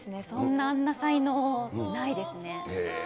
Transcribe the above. そんな、あんな才能ないですね。